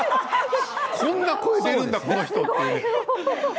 こんなに声が出るんだこの人って。